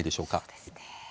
そうですね。